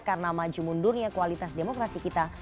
karena maju mundurnya kualitas demokrasi kita